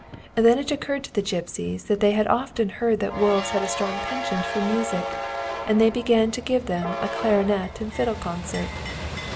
"Then it occurred to the gipsies that they had often heard that wolves had a strong penchant for music, and they began giving them a clarinet and fiddle concert.